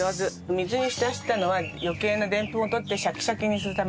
水に浸したのは余計なデンプンを取ってシャキシャキにするためです。